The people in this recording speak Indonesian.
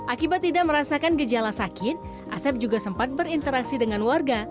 akibat tidak merasakan gejala sakit asep juga sempat berinteraksi dengan warga